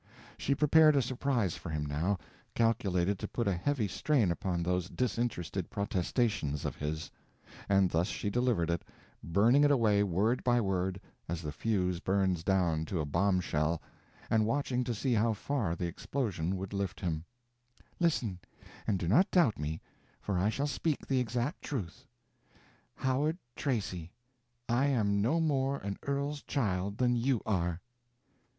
She prepared a surprise for him, now, calculated to put a heavy strain upon those disinterested protestations of his; and thus she delivered it, burning it away word by word as the fuse burns down to a bombshell, and watching to see how far the explosion would lift him: "Listen—and do not doubt me, for I shall speak the exact truth. Howard Tracy, I am no more an earl's child than you are!"